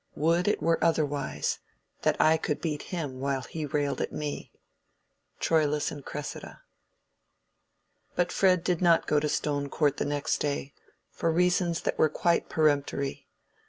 would it were otherwise—that I could beat him while he railed at me.—Troilus and Cressida. But Fred did not go to Stone Court the next day, for reasons that were quite peremptory.